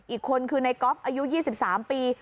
อีกคนคือในก๊อฟอายุ๒๓ปี